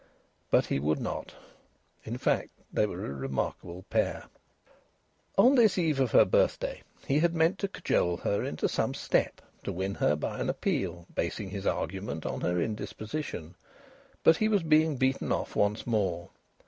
But he would not. In fact, they were a remarkable pair. On this eve of her birthday he had meant to cajole her into some step, to win her by an appeal, basing his argument on her indisposition. But he was being beaten off once more.